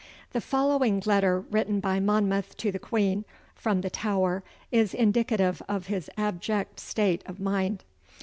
The following letter, written by Monmouth to the Queen from the Tower, is indicative of his abject state of mind.